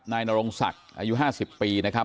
นายนรงศักดิ์อายุ๕๐ปีนะครับ